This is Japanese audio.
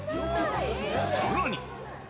さらに。